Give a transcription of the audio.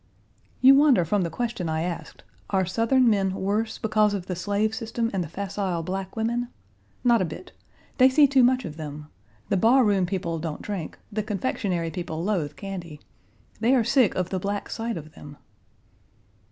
"You wander from the question I asked. Are Southern men worse because of the slave system and the facile black women? Not a bit. They see too much of them. The barroom people don't drink, the confectionery people loathe candy. They are sick of the black sight of them."